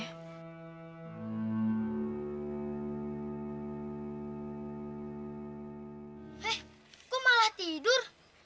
eh kok malah tidur